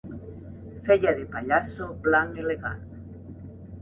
Feia de pallasso blanc elegant.